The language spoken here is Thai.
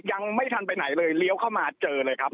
ยังไม่ทันไปไหนเลยเลี้ยวเข้ามาเจอเลยครับ